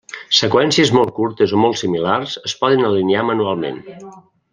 Seqüències molt curtes o molt similars es poden alinear manualment.